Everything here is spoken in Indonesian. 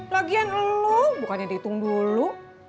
lagian lu bukannya dihitung dulu